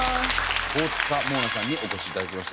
大塚桃奈さんにお越し頂きました。